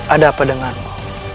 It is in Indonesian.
ada apa denganmu